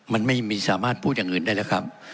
มันไม่สามารถพูดอย่างอื่นได้แล้วครับ